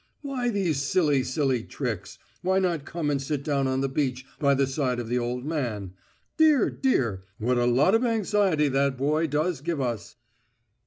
"Why these silly, silly tricks? Why not come and sit down on the beach by the side of the old man? Dear, dear, what a lot of anxiety that boy does give us!"